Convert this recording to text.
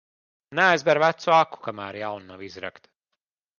Neaizber vecu aku, kamēr jauna nav izrakta.